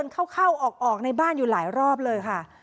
เข้าออกในบ้านอยู่หลายรอบเลยค่ะ